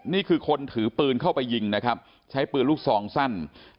นี่คือคนถือปืนเข้าไปยิงนะครับใช้ปืนลูกซองสั้น